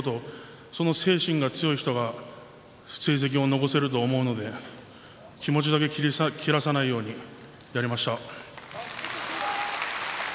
そこに強い人が成績を残せると思うので気持ちだけを切らさないようにやりました。